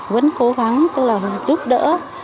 vẫn cố gắng giúp đỡ